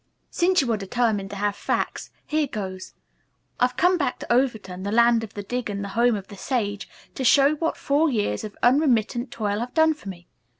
"Since you are determined to have facts, here goes. I've come back to Overton, the land of the dig and the home of the sage, to show what four years of unremittent toil have done for me.